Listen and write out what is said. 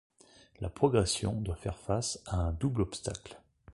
La progression doit faire face à un double obstacle.